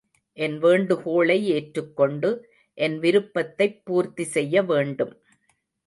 என் வேண்டுகோளை ஏற்றுக்கொண்டு, என் விருப்பத்தைப் பூர்த்தி செய்ய வேண்டும்.